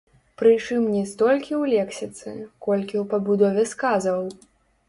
Прычым не столькі ў лексіцы, колькі ў пабудове сказаў.